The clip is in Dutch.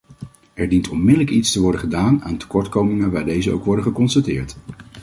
Er dient onmiddellijk iets te worden gedaan aan tekortkomingen, waar deze ook worden geconstateerd.